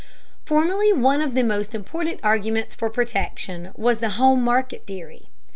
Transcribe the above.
Formerly one of the most important arguments for protection was the home market theory.